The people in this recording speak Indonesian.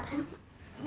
kakek itu udah selesai